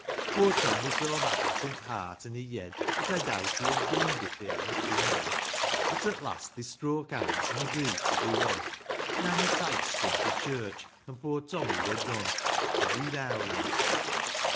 Poor Tom vvur so maddle't i' heart and i' yed, That I doubt he'd ha' dee'd if they hadn't bin wed ; But, at last, they stroke bonds, an' agreed to be one ; Nanny tice't him to church — an' poor Tommy wur done. Derry down.